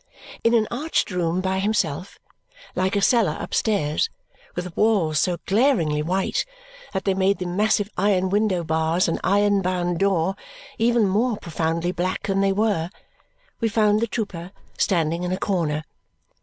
In an arched room by himself, like a cellar upstairs, with walls so glaringly white that they made the massive iron window bars and iron bound door even more profoundly black than they were, we found the trooper standing in a corner.